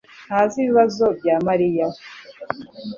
ntazi ibibazo bya Mariya.